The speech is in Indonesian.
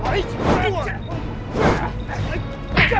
sujarah sangat banyak